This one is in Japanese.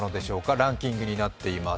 ランキングになっています。